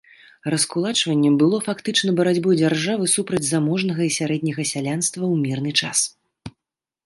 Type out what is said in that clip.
Раскулачванне было фактычна барацьбой дзяржавы супраць заможнага і сярэдняга сялянства ў мірны час.